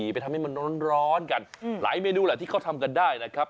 ไปทำให้มันร้อนกันหลายเมนูแหละที่เขาทำกันได้นะครับ